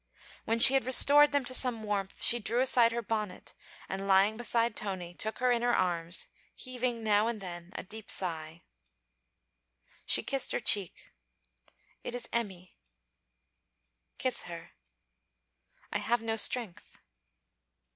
When she had restored them to some warmth, she threw aside her bonnet and lying beside Tony, took her in her arms, heaving now and then a deep sigh. She kissed her cheek. 'It is Emmy.' 'Kiss her.' 'I have no strength.'